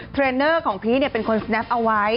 เทรนเนอร์ของพีชเป็นคนสแนปเอาไว้